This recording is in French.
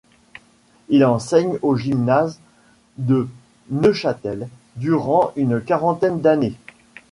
Il enseigne au gymnase de Neuchâtel durant une quarantaine d'années.